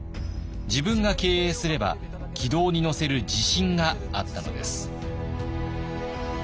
自分が経営すれば軌道に乗せる自信があったのです。